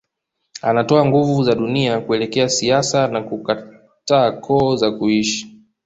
Anatoa nguvu za dunia kuelekea siasa za kukata koo za kuishi